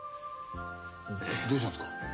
どうしたんですか？